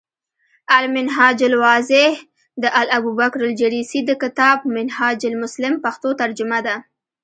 المنهاج الواضح، د الابوبکرالجريسي د کتاب “منهاج المسلم ” پښتو ترجمه ده ۔